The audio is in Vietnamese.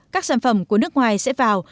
các sản phẩm của nước ngoài sẽ vào